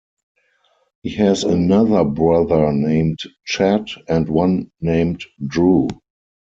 He has another brother named Chad and one named Drew.